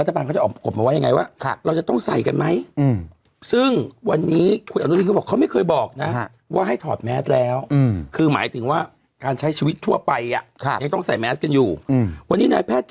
ทำอย่างเงี้ยโอ้โหชุดเสื้อนะนี่ดูฮะเหมือนเสื้อมาจากอุกระบาดนะ